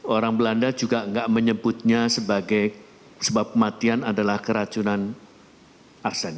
orang belanda juga nggak menyebutnya sebagai sebab kematian adalah keracunan aksen